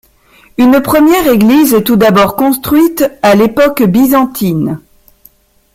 Une première église est tout d'abord construite à l'époque byzantine.